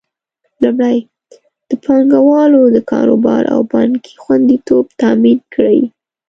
لومړی: د پانګوالو د کاروبار او پانګې خوندیتوب تامین کړي.